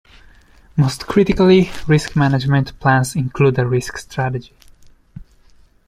Most critically, risk management plans include a risk strategy.